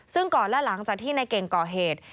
ซึ่งก่อนและหลังจากที่นายเก่งก่อเหตุ